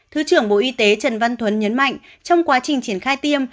thứ trưởng bộ y tế trần văn thuấn nhấn mạnh trong quá trình triển khai tiêm